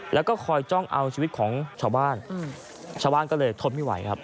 แล้วก็คอยจ้องเอาชีวิตของชาวบ้านชาวบ้านก็เลยทนไม่ไหวครับ